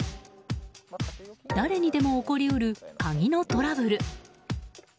誰にでも起こり得る鍵のトラブル。